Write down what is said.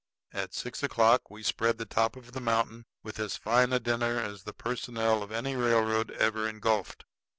At six o'clock we spread the top of the mountain with as fine a dinner as the personnel of any railroad ever engulfed.